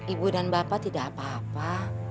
ibu dan bapak tidak apa apa